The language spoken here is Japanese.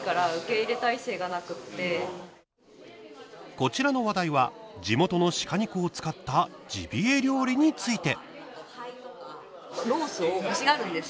こちらの話題は地元の鹿肉を使ったジビエ料理について。